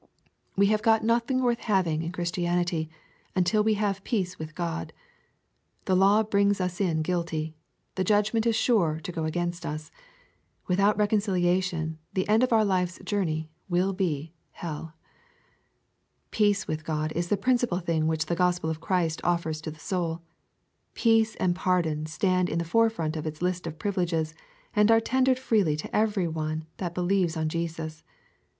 We have got nothing worth having in Christianity, until we have peace with God. The law brings us in guilty. The judgment is sure to go against us. Without reconcilia tion, the end of our Life's journey will be hell. Peace with Grod is the principal thing which the Gospel of Christ offers to the soul. Peace and pardon stand in the forefront of its list of privileges, and are tendered freely to every one that believes on Jesus.